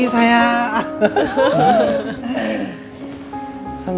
tapi sekarang aja terus